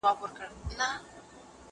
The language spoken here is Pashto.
زه به سبا لوښي وچوم وم!؟